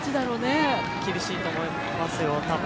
厳しいと思いますよ、たぶん。